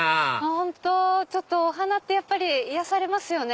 本当お花って癒やされますよね。